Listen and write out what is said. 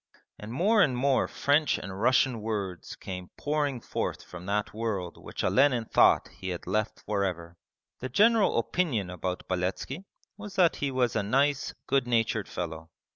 And more and more French and Russian words came pouring forth from that world which Olenin thought he had left for ever. The general opinion about Beletski was that he was a nice, good natured fellow.